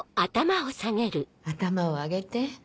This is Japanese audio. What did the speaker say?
頭を上げて。